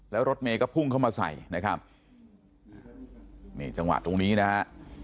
แล้วรถเมย์ก็พุ่งเข้ามาใส่นะครับนี่จังหวะตรงนี้นะฮะ